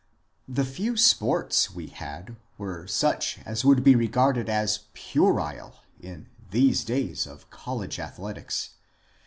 The few sports we had were such as would be regarded as puerile in these days of college athletics.